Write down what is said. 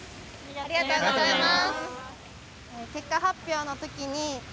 ありがとうございます。